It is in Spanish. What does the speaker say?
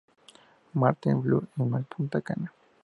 Maarten y Blue Mall Punta Cana.